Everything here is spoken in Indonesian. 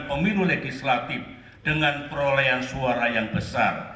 pemilu legislatif dengan perolehan suara yang besar